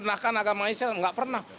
agama islam tidak pernah